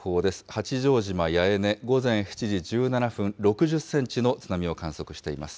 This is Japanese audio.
八丈島八重根、午前７時１７分、６０センチの津波を観測しています。